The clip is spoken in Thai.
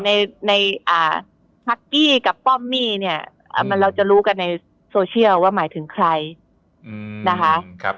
ในฮักกี้กับป้อมมี่เนี่ยเราจะรู้กันในโซเชียลว่าหมายถึงใครนะคะ